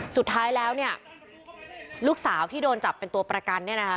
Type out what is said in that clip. สุดท้ายแล้วเนี่ยลูกสาวที่โดนจับเป็นตัวประกันเนี่ยนะคะ